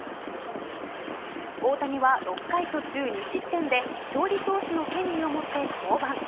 大谷は６回途中２失点で勝利投手の権利を持って降板。